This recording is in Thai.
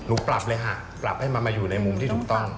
ปรับเลยค่ะปรับให้มันมาอยู่ในมุมที่ถูกต้อง